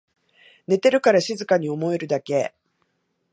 寝てるから静かに思えるだけ